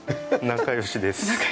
仲良しで。